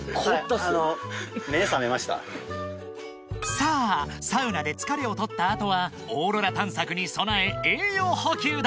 ［さあサウナで疲れをとった後はオーロラ探索に備え栄養補給だ］